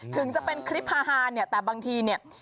ถึงจะเป็นคลิปฮานเนี่ยแต่บางทีเนี่ย